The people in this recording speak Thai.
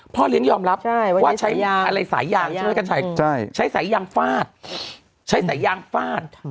เลี้ยงยอมรับว่าใช้ยาอะไรสายยางใช่ไหมใช้สายยางฟาดใช้สายยางฟาด